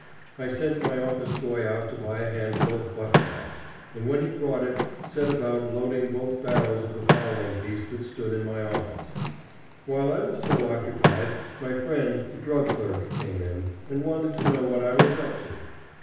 I sent my office boy out to buy a handful of buckshot, and, when he brought it, set about loading both barrels of the fowling piece that stood in my office. While I was so occupied, my friend the drug clerk came in, and wanted to know what I was up to.